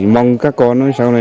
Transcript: mong các con sau này